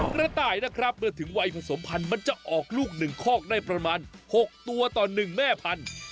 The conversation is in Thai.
กระต่ายนะครับเมื่อถึงวัยผสมพันธุ์มันจะออกลูก๑คอกได้ประมาณ๖ตัวต่อ๑แม่พันธุ